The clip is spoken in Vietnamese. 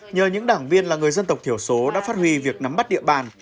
nhờ những đảng viên là người dân tộc thiểu số đã phát huy việc nắm bắt địa bàn